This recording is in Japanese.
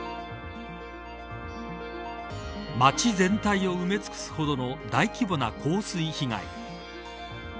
街全体を埋め尽くすほどの大規模な洪水被害。